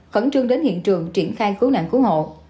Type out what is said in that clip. khẩn trương đến hiện trường triển khai cứu nạn cứu hộ